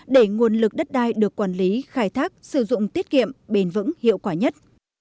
để nguồn lực đất đai được quản lý khai thác sử dụng tiết kiệm bền vững hiệu quả nhất